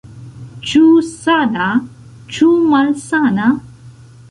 Ĉu sana, ĉu malsana?